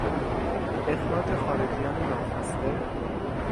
اخراج خارجیان ناخواسته